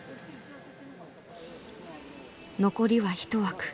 残りは１枠。